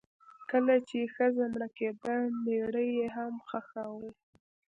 کله چې ښځه مړه کیده میړه یې هم خښاوه.